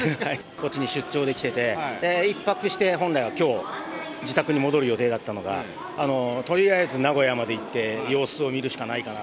こっちに出張で来てて、で、１泊して、本来はきょう、自宅に戻る予定だったのが、とりあえず名古屋まで行って、様子を見るしかないかな。